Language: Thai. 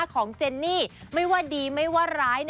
ของเจนนี่ไม่ว่าดีไม่ว่าร้าย